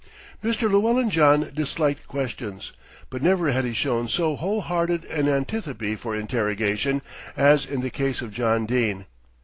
Mr. Llewellyn John disliked questions; but never had he shown so whole hearted an antipathy for interrogation as in the case of John Dene.